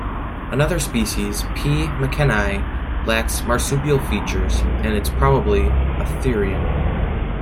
Another species, "P." "mckennai" lacks marsupial features, and is probably a therian.